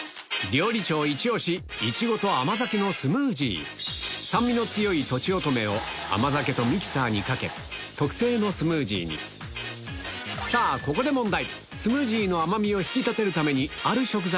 料理長イチ押し酸味の強いとちおとめを甘酒とミキサーにかけ特製のスムージーにさぁここで問題！